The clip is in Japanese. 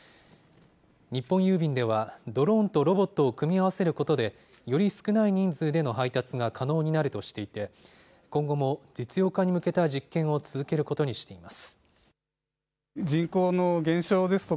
日本郵便では、ドローンとロボットを組み合わせることで、より少ない人数での配達が可能になるとしていて、今後も実用化に向けた実験を続けることにしています。